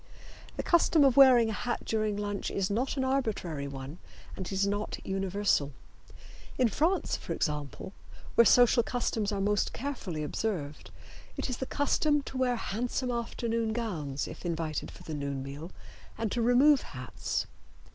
The custom of wearing a hat during lunch is not an arbitrary one, and it is not universal. In France, for example, where social customs are most carefully observed, it is the custom to wear handsome afternoon gowns if invited for the noon meal and to remove hats.